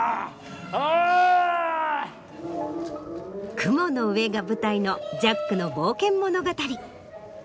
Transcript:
雲の上が舞台のジャックの冒険物語。